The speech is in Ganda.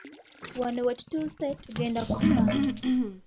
Wano we tutuuse tugenda kufa.